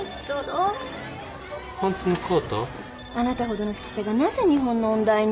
あなたほどの指揮者がなぜ日本の音大に？